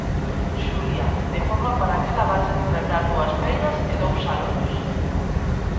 Xulia, de forma paralela vanse celebrar dúas feiras e dous salóns.